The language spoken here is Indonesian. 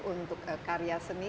untuk karya seni